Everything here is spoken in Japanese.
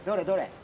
どれ？